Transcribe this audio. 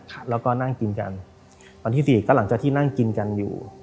ครับแล้วก็นั่งกินกันวันที่สี่ก็หลังจากที่นั่งกินกันอยู่